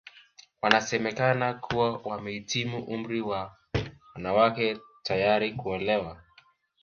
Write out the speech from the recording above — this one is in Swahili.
Wanasemekana kuwa wamehitimu umri wa wanawake tayari kuolewa